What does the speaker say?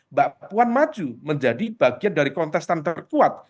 mbak puan maju menjadi bagian dari kontestan terkuat